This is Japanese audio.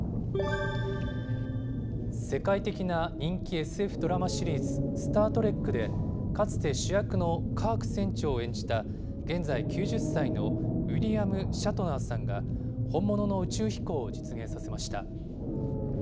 世界的な人気ＳＦドラマシリーズ、スター・トレックでかつて主役のカーク船長を演じた現在９０歳のウィリアム・シャトナーさんが本物の宇宙飛行を実現させました。